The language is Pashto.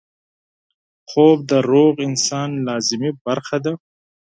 خوب د روغ انسان لازمي برخه ده